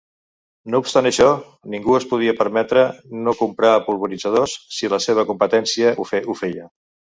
No obstant això, ningú es podia permetre no comprar polvoritzadors si la seva competència ho feia.